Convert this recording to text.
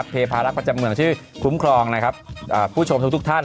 เพพารักประจำเมืองชื่อคุ้มครองผู้ชมทุกท่าน